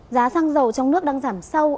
giá xăng dầu trong nước đang giảm sâu